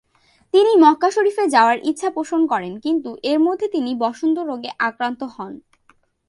তিনি মক্কা শরীফে যাওয়ার ইচ্ছা পোষণ করেন, কিন্তু এর মধ্যে তিনি বসন্ত রোগে আক্রান্ত হন।